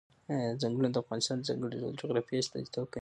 چنګلونه د افغانستان د ځانګړي ډول جغرافیه استازیتوب کوي.